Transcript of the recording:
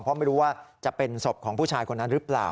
เพราะไม่รู้ว่าจะเป็นศพของผู้ชายคนนั้นหรือเปล่า